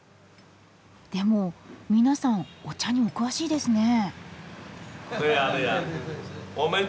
でも皆さんお茶にお詳しいですねえ。